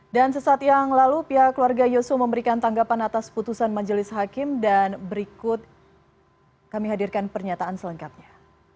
dan sesat yang lalu pihak keluarga yosu memberikan tanggapan atas putusan majelis hakim dan berikut kami hadirkan pernyataan selengkapnya